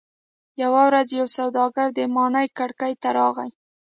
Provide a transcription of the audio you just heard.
یوه ورځ یو سوداګر د ماڼۍ کړکۍ ته راغی.